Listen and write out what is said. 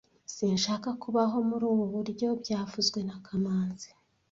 Sinshaka kubaho muri ubu buryo byavuzwe na kamanzi